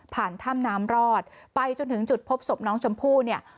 ถ้ำน้ำรอดไปจนถึงจุดพบศพน้องชมพู่เนี่ย